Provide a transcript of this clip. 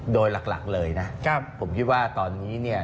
โดยหลักเลยนะผมคิดว่าตอนนี้เนี่ย